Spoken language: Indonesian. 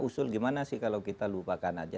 usul gimana sih kalau kita lupakan aja